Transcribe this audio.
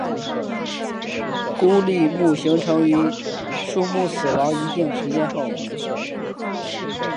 枯立木形成于树木死亡一定时间后。